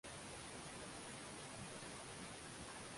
Zaidi sana wapendwa vijana mkumbuke kuwa Watu